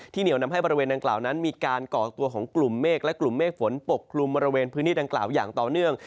เหนียวนำให้บริเวณดังกล่าวนั้นมีการก่อตัวของกลุ่มเมฆและกลุ่มเมฆฝนปกคลุมบริเวณพื้นที่ดังกล่าวอย่างต่อเนื่อง